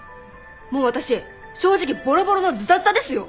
もう私正直ボロボロのズタズタですよ。